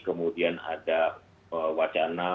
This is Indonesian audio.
kemudian ada wacana untuk